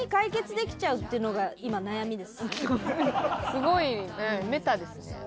すごいメタですね。